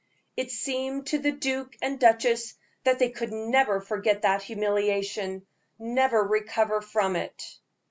It seemed to the duke and duchess that they could never forget that humiliation, never recover from it.